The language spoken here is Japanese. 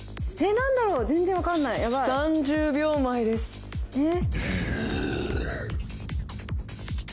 何だろう全然分かんないヤバい３０秒前ですえっ？